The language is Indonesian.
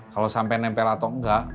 kalau sampai nempel atau enggak